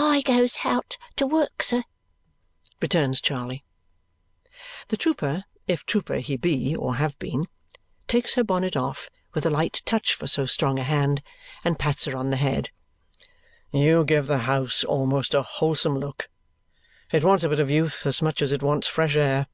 "I goes out to work, sir," returns Charley. The trooper (if trooper he be or have been) takes her bonnet off, with a light touch for so strong a hand, and pats her on the head. "You give the house almost a wholesome look. It wants a bit of youth as much as it wants fresh air."